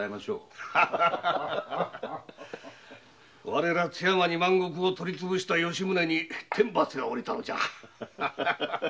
われら津山二万石を取り潰した吉宗に天罰が下ったのじゃ。